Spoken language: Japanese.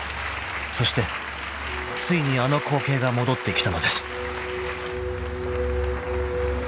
［そしてついにあの光景が戻ってきたのです］